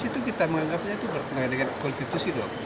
itu kita menganggapnya itu bertentangan dengan konstitusi dong